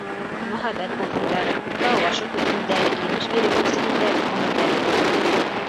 Мөһабәт булһындар, күккә олғашып үҫһендәр, емеш биреп үрсеһендәр, ғүмерҙәре оҙон булһын.